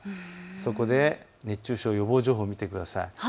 そこで熱中症予防情報見てください。